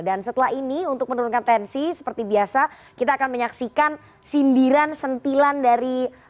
dan setelah ini untuk menurunkan tensi seperti biasa kita akan menyaksikan sindiran sentilan dari